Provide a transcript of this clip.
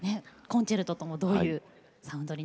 コンチェルトともどういうサウンドになるのか。